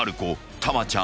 たまちゃん。